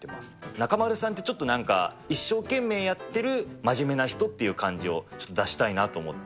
中丸さんってちょっと、なんか一生懸命やってる真面目な人っていう感じを、ちょっと出したいなと思って。